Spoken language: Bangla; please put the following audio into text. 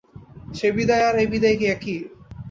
সে বিদায় আর এ বিদায় কি একই।